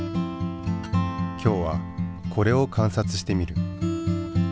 今日はコレを観察してみる。